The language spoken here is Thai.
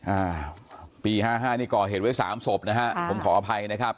อ่าปี๕๕นี่ก่อเหตุไว้๓ศพนะฮะผมขออภัยนะครับ